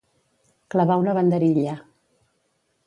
Clavar una banderilla.